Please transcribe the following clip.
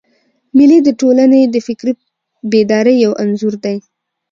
مېلې د ټولني د فکري بیدارۍ یو انځور دئ.